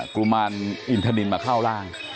กุมารอินทนินมาเข้าร่าง